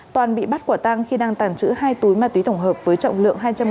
toàn bị bắt quả tang khi đang tàng trữ hai túi ma túy tổng hợp với trọng lượng hai trăm linh